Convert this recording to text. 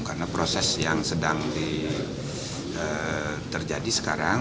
karena proses yang sedang terjadi sekarang